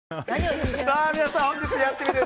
皆さん、本日のやってみる。